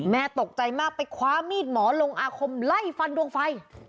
แม่ตกใจมากไปคว้ามีดหมอลงอาคมไล่ฟันดวงไฟ